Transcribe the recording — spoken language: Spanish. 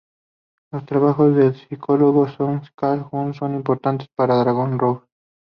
Los trabajos del psicólogo suizo Carl Jung son importantes para Dragon Rouge.